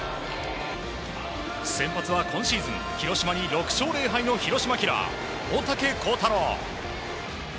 先発は今シーズン広島に６勝０敗の広島キラー大竹耕太郎。